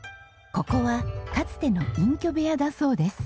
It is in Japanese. ここはかつての隠居部屋だそうです。